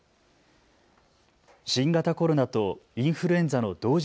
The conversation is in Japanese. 新型コロナとインフルエンザの同時